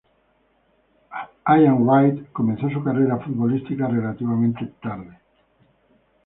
Ian Wright comenzó su carrera futbolística relativamente tarde.